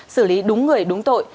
xử lý đúng người đúng tội